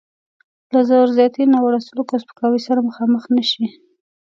له زور زیاتي، ناوړه سلوک او سپکاوي سره مخامخ نه شي.